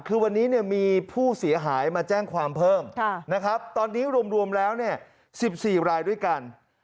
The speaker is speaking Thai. คือวันนี้มีผู้เสียหายมาแจ้งความเพิ่มนะครับตอนนี้รวมแล้ว๑๔รายด้วยกัน